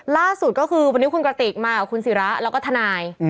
ล่าสุดก็คือวันนี้คุณกระติกมากับคุณศิระแล้วก็ทนาย